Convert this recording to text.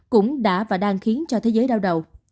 cũng đã và đang khiến cho thế giới đau đầu